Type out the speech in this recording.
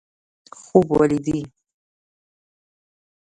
خوب ولیدي.